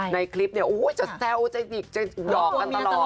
ในคลิปเนี่ยโอ้โหจะแซวจะหยอกกันตลอด